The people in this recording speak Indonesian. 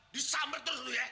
disamber terus lu ya